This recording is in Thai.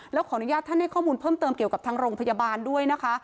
แล้วขออนุญาตท่านให้ข้อมูลเพิ่มเติมเกี่ยวกับทางโรงพยาบาลด้วยนะคะ